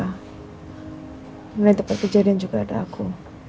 terus sama perkejadian juga ada aku